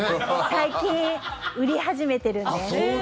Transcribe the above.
最近売り始めてるんです。